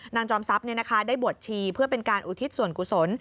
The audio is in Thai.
จอมทรัพย์ได้บวชชีเพื่อเป็นการอุทิศส่วนกุศล